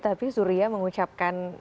tapi surya mengucapkan